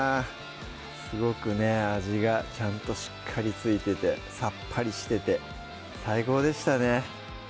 すごくね味がちゃんとしっかり付いててさっぱりしてて最高でしたね